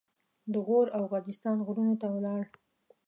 د غور او غرجستان غرونو ته ولاړ.